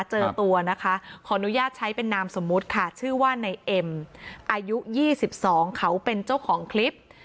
เจอตัวนะคะขออนุญาตใช้เป็นนามสมมุติค่ะชื่อว่าในเอ็มอายุ๒๒เขาเป็นเจ้าของคลิป